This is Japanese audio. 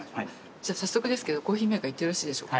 じゃあ早速ですけどコーヒーメーカーいってよろしいでしょうか。